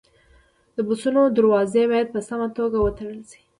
د بسونو دروازې باید په سمه توګه وتړل شي.